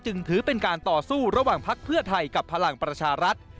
ถือเป็นการต่อสู้ระหว่างพักเพื่อไทยกับพลังประชารัฐ